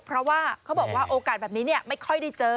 เพราะว่าเขาบอกว่าโอกาสแบบนี้ไม่ค่อยได้เจอ